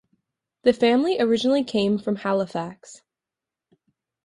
The family originally came from Halifax.